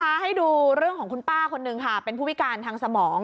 ให้ดูเรื่องของคุณป้าคนนึงค่ะเป็นผู้พิการทางสมอง